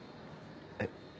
えっ。